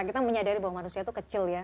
kita menyadari bahwa manusia itu kecil ya